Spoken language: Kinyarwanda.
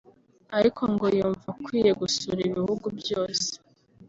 ariko ngo yumva akwiye gusura ibihugu byose